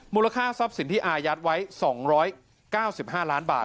มูลค่าทรัพย์สินที่อายัดไว้๒๙๕ล้านบาท